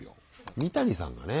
三谷さんがね